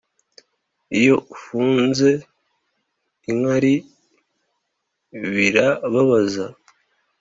iyo ufunze inkari bira babaza